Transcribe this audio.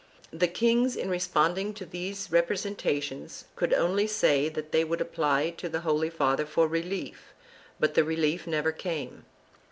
The kings in responding to these representations could only say that they would apply to the Holy Father for relief, but the relief never came.